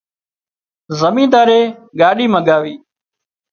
زمينۮارئي ڳاڏي مڳاوِي